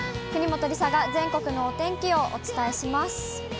国本梨紗が全国のお天気をお伝えします。